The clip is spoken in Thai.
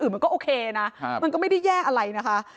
มันก็โอเคนะมันก็ไม่ได้แย่อะไรนะคะ